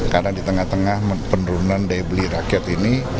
karena di tengah tengah penurunan daya beli rakyat ini